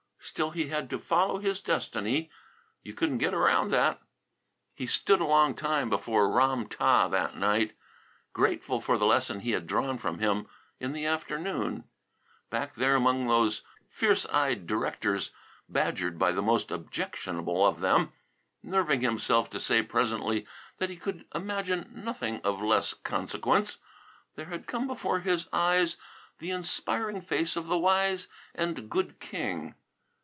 Still he had to follow his destiny. You couldn't get around that. He stood a long time before Ram tah that night, grateful for the lesson he had drawn from him in the afternoon. Back there among those fierce eyed directors, badgered by the most objectionable of them, nerving himself to say presently that he could imagine nothing of less consequence, there had come before his eyes the inspiring face of the wise and good king.